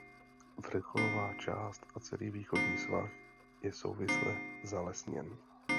Vrcholová část a celý východní svah je souvisle zalesněn.